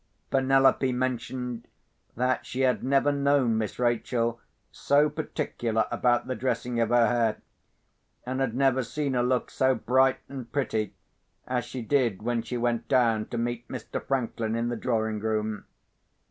Penelope mentioned that she had never known Miss Rachel so particular about the dressing of her hair, and had never seen her look so bright and pretty as she did when she went down to meet Mr. Franklin in the drawing room.